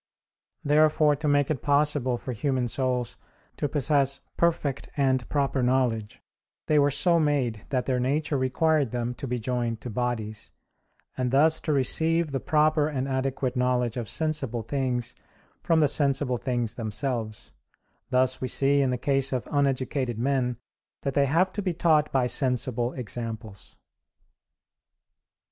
Therefore to make it possible for human souls to possess perfect and proper knowledge, they were so made that their nature required them to be joined to bodies, and thus to receive the proper and adequate knowledge of sensible things from the sensible things themselves; thus we see in the case of uneducated men that they have to be taught by sensible examples.